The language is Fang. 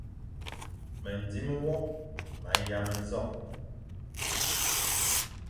Mendzim nwokh ma yam nzokh.